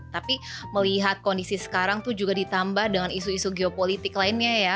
tapi melihat kondisi sekarang tuh juga ditambah dengan isu isu geopolitik lainnya ya